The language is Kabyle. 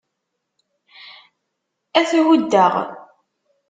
Ad t-huddeɣ.